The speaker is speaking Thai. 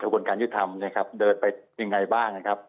บนการยุทธรรมเนี่ยครับเดินไปยังไงบ้างนะครับ